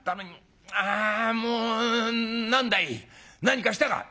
あもう何だい？何かしたか？」。